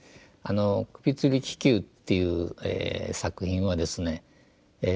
「首吊り気球」っていう作品はですね